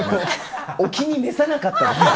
お気に召さなかったですか。